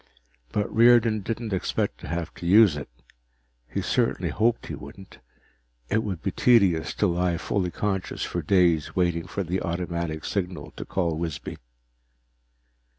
But Riordan didn't expect to have to use it. He certainly hoped he wouldn't. It would be tedious to lie fully conscious for days waiting for the automatic signal to call Wisby.